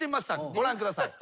ご覧ください。